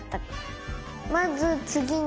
「まず」「つぎに」